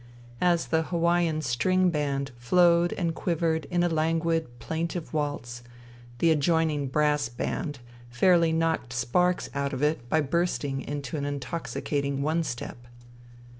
As the Hawaian string band flowed and quivered in a languid, plaintive waltz, the adjoining brass band fairly knocked sparks out of it by bursting into an intoxicating one step.